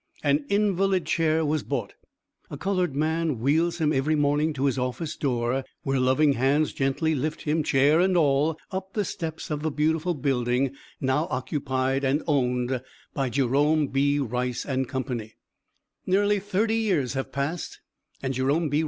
An invalid chair was bought, a colored man wheels him every morning to his office door where loving hands gently lift him, chair and all, up the steps of the beautiful building now occupied and owned by Jerome B. Rice & Co. Nearly thirty years have passed and Jerome B.